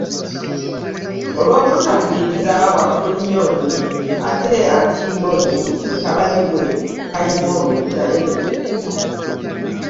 Olw’obutawuliriza bwa Kuliyooni, atta Antigone, mutabani we Kayimooni naye ne yetta.